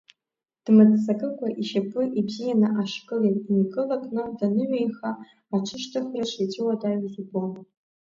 Дмыццакыкәа, ишьапы ибзианы ашькыл инкылакны даныҩеиха, аҽышьҭыхра шицәуадаҩыз убон.